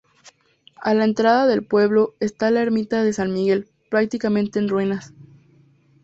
A la entrada del pueblo está la ermita de San Miguel, prácticamente en ruinas.